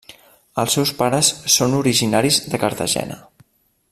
Els seus pares són originaris de Cartagena.